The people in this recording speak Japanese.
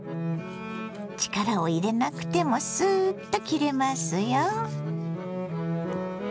力を入れなくてもスーッと切れますよ。